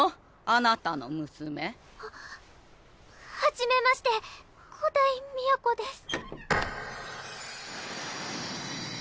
あなたの娘？はっはじめまして五代都です